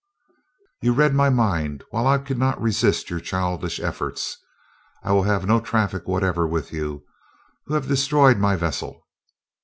"You read my mind while I could not resist your childish efforts. I will have no traffic whatever with you who have destroyed my vessel.